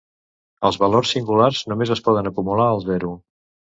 Els valors singulars només es poden acumular al zero.